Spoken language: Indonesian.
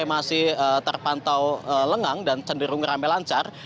masih terpantau lengang dan cenderung rame lancar